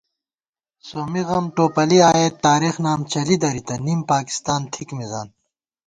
سومّی غم ٹوپَلی آئېت تارېخ نام چلِی درِتہ، نِم پاکستان تھِک مِزان